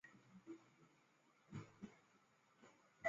两个都将失败归咎于开放原始码社群。